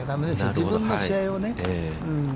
自分の試合をね。